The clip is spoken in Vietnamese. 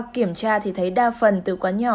kiểm tra thì thấy đa phần từ quán nhỏ